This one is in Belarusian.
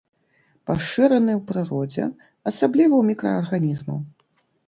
Пашыраны ў прыродзе, асабліва ў мікраарганізмаў.